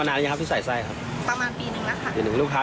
มักกล้า